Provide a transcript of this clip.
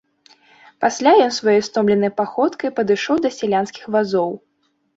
Пасля ён сваёй стомленай паходкай падышоў да сялянскіх вазоў.